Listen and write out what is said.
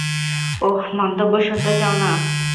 ওহ, মন্তব্য শুনতে চাও না?